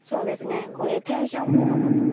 こういうテンションコードとか。